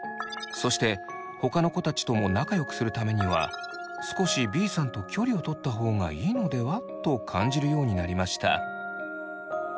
そして他の子たちとも仲良くするためには「少しＢさんと距離をとったほうがいいのでは？」と感じるようになりました。